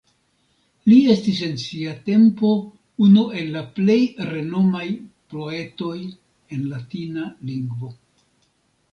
Li estis en sia tempo unu el la plej renomaj poetoj en latina lingvo.